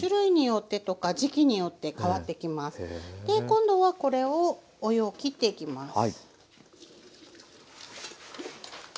今度はこれをお湯をきっていきます。